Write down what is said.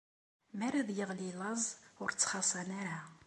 Mi ara d-iɣli laẓ, ur ttxaṣṣan ara.